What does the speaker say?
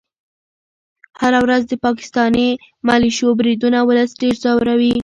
هره ورځ د پاکستاني ملیشو بریدونه ولس ډېر ځوروي.